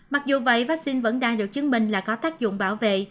mặc dù vậy vaccine vẫn đang được chứng minh là có tác dụng bảo vệ